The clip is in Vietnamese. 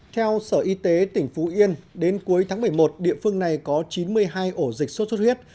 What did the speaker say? theo sở y tế tỉnh phú yên đến cuối tháng một mươi một địa phương này có chín mươi hai ổ dịch sốt xuất huyết